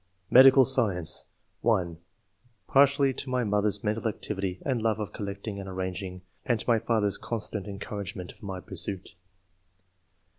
Medical Science. — (1) [Partly] to my mother's mental activity and love of collecting and arranging, and to my father's constant en couragement of my pursuit.